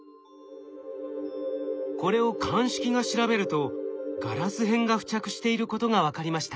これを鑑識が調べるとガラス片が付着していることが分かりました。